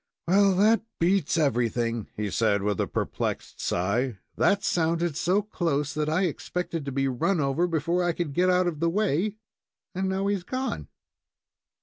"Well, that beats everything," he said, with a perplexed sigh. "That sounded so close that I expected to be run over before I could get out of the way, and now he's gone."